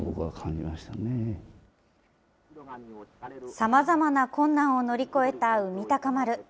さまざまな困難を乗り越えた海鷹丸。